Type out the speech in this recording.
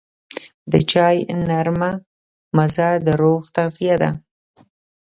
د چای نرمه مزه د روح تغذیه ده.